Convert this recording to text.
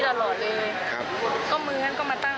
แล้วก็ปัดออกก็ยังมาตั้ง